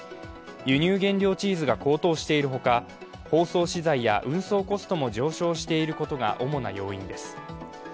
輸入原料チーズが高騰しているほか包装資材や運送コストも上昇していることが主な要因です。